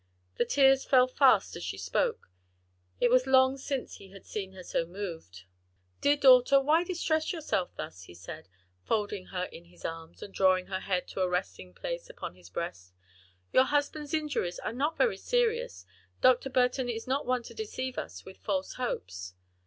The tears fell fast as she spoke. It was long since he had seen her so moved. "Dear daughter, why distress yourself thus?" he said, folding her in his arms, and drawing her head to a resting place upon his breast; "your husband's injuries are not very serious. Dr. Burton is not one to deceive us with false hopes."